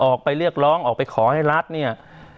ออกไปเรียกร้องออกไปขอให้รัฐเนี่ย